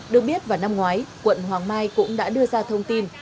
được biết vào năm ngoái quận hoàng mai cũng đã đưa ra thông tin